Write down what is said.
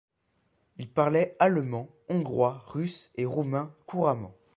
Il parlait allemand, hongrois, russe et roumain couramment.